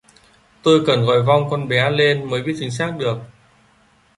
Tôi cần gọi vong con bé lên mới biết chính xác được